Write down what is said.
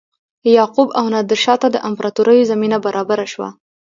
یعقوب او نادرشاه ته د امپراتوریو زمینه برابره شوه.